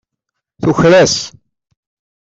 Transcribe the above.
Tuker-as.